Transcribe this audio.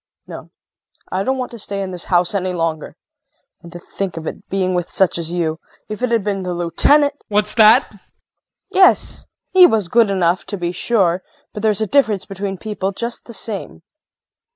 No, I don't want to stay in this house any longer! And to think of it being with such as you! If it had been the Lieutenant JEAN. What's that? KRISTIN. Yes! He was good enough, to be sure, but there's a difference between people just the same.